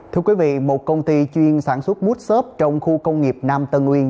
thưa quý vị một công ty chuyên sản xuất mút xốp trong khu công nghiệp nam tân uyên